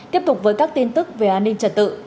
tiếp tục với các tin tức về an ninh trật tự